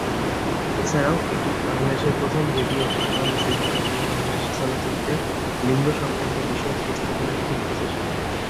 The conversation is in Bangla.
এছাড়াও এটি বাংলাদেশের প্রথম ভিডিও প্রামাণ্যচিত্র এবং বাংলাদেশী চলচ্চিত্রে লিঙ্গ সংক্রান্ত বিষয় উপস্থাপনের প্রথম প্রচেষ্টা।